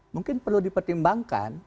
mungkin perlu dipertimbangkan